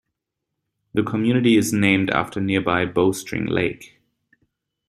The community is named after nearby Bowstring Lake.